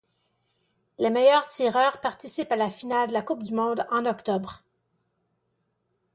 Les meilleurs tireurs participent à la finale de la Coupe du monde en octobre.